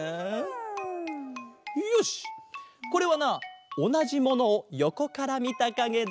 これはなおなじものをよこからみたかげだ。